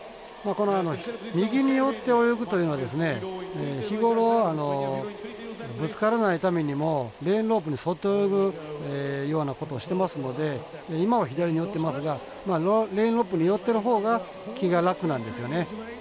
右に寄って泳ぐというのは日頃ぶつからないためにもレーンロープに沿って泳ぐようなことをしてますので今は左に寄ってますがレーンロープに寄ってる方が気が楽なんですよね。